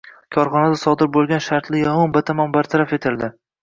Korxonada sodir bo‘lgan shartli yong‘in batamom bartaraf etildi